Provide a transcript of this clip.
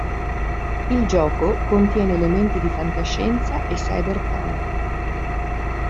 Il gioco contiene elementi di fantascienza e cyberpunk.